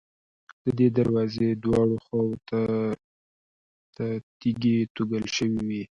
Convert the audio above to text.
د دې دروازې دواړو خواوو ته تیږې توږل شوې وې.